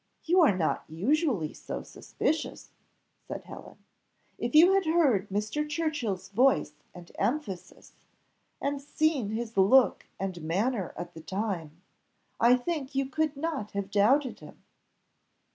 "You are not usually so suspicious," said Helen. "If you had heard Mr. Churchill's voice and emphasis, and seen his look and manner at the time, I think you could not have doubted him."